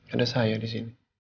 ada saya disini